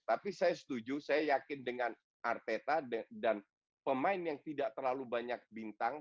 tapi saya setuju saya yakin dengan arteta dan pemain yang tidak terlalu banyak bintang